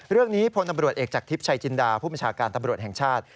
เรื่องนี้พอเอกจากทิพย์ชัยจินดาผู้ประชาการตำรวจแห่งชาติ